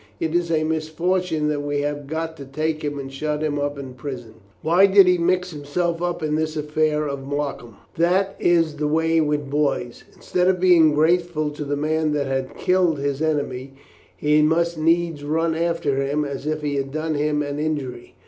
It is a misfortune that we have got to take him and shut him up in prison. Why did he mix himself up in this affair of Markham? That is the way with boys. Instead of being grateful to the man that had killed his enemy, he must needs run after him as if he had done him an injury.